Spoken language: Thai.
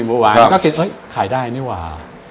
สวัสดีครับผม